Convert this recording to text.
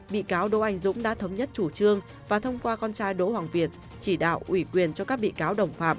bị cáo đỗ anh dũng đã thống nhất chủ trương và thông qua con trai đỗ hoàng việt chỉ đạo ủy quyền cho các bị cáo đồng phạm